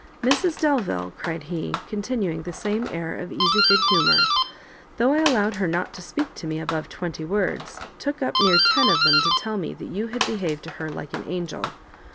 "Mrs Delvile," cried he, continuing the same air of easy good humour, "though I allowed her not to speak to me above twenty words, took up near ten of them to tell me that you had behaved to her like an angel.